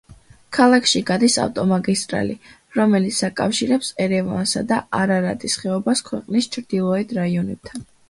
ქალაქში გადის ავტომაგისტრალი, რომელიც აკავშირებს ერევანსა და არარატის ხეობას ქვეყნის ჩრდილოეთ რაიონებთან.